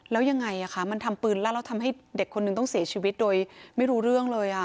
แล้วยังไงคะมันทำปืนลั่นแล้วทำให้เด็กคนนึงต้องเสียชีวิตโดยไม่รู้เรื่องเลย